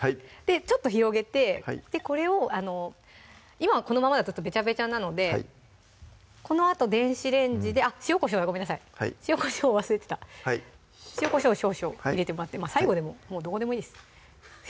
ちょっと広げてこれを今はこのままだとベチャベチャなのでこのあと電子レンジであっ塩・こしょうだごめんなさい塩・こしょう忘れてた塩・こしょう少々入れてもらってまぁ最後でももうどこでもいいです